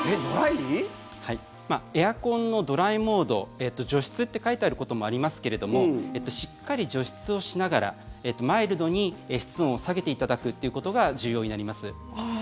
エアコンのドライモード除湿って書いてあることもありますけれどもしっかり除湿をしながらマイルドに室温を下げていただくということが重要になります。